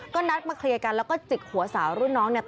ก็นัดมาเคลียร์กันแล้วก็จิกหัวสาวรุ่นน้องเนี่ย